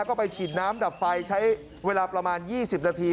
ก็ไปฉีดน้ำดับไฟใช้เวลาประมาณ๒๐นาที